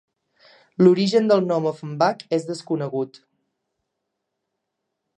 L'origen del nom Ofenbach és desconegut.